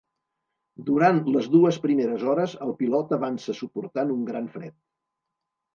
Durant les dues primeres hores el pilot avança suportant un gran fred.